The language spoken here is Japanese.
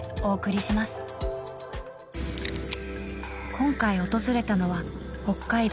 今回訪れたのは北海道